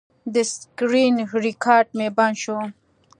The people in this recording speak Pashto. د سکرین ریکارډ مې بند شو.